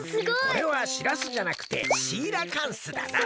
これはしらすじゃなくてシーラカンスだな。